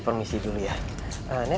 permisi dulu ya